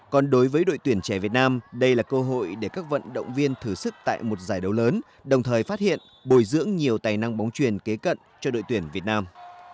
còn đối với đội tuyển trẻ việt nam đây là cơ hội để các vận động viên thử sức tại một giải đấu lớn đồng thời phát hiện bồi dưỡng nhiều tài năng bóng truyền kế cận cho đội tuyển việt nam